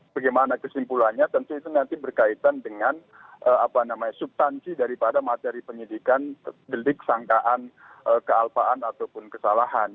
bagaimana kesimpulannya tentu itu nanti berkaitan dengan subtansi daripada materi penyidikan delik sangkaan kealpaan ataupun kesalahan